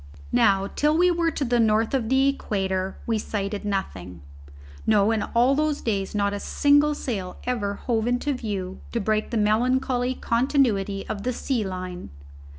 Now, till we were to the north of the equator we sighted nothing; no, in all those days not a single sail ever hove into view to break the melancholy continuity of the sea line.